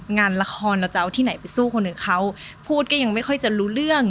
งานละครเราจะเอาที่ไหนไปสู้คนอื่นเขาพูดก็ยังไม่ค่อยจะรู้เรื่อง